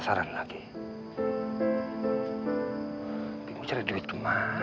masa ini aku mau ke rumah